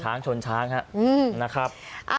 ช้างชนช้างนะครับ